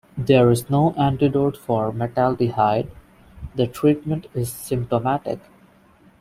There is no antidote for metaldehyde, the treatment is symptomatic.